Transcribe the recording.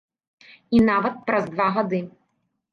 І нават праз два гады.